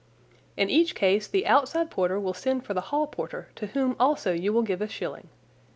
"In each case the outside porter will send for the hall porter, to whom also you will give a shilling.